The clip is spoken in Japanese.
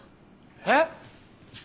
えっ！？